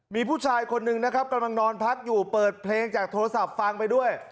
มีผู้ชายคนหนึ่งนะครับกำลังนอนพักอยู่เปิดเพลงจากโทรศัพท์ฟังไปด้วย